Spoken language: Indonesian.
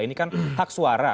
ini kan hak suara